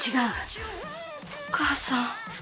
お母さん。